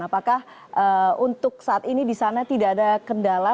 apakah untuk saat ini di sana tidak ada kendala